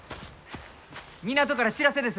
港から知らせです！